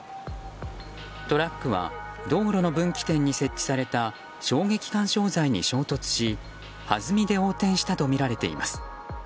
トラックは道路の分岐点に設置された衝撃緩衝材に衝突しはずみで横転したとみられています。